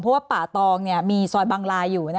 เพราะว่าป่าตองมีซอยบังลาอยู่